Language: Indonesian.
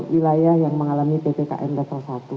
wilayah yang mengalami ppkn rp satu